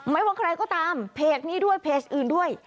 ไม่ว่าใครก็ตามเพจนี้ด้วยเพจอื่นด้วย